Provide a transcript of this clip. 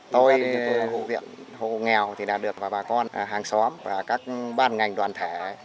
thôi hồ viện hồ nghèo thì đã được bà con hàng xóm và các bàn ngành đoàn thể